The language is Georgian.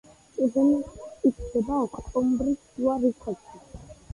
ყურძენი მწიფდება ოქტომბრის შუა რიცხვებში.